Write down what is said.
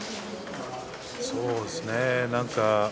そうですね。